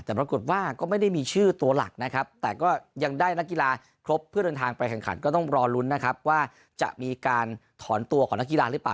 แต่ปรากฏว่าก็ไม่ได้มีชื่อตัวหลักนะครับแต่ก็ยังได้นักกีฬาครบเพื่อเดินทางไปแข่งขันก็ต้องรอลุ้นนะครับว่าจะมีการถอนตัวของนักกีฬาหรือเปล่า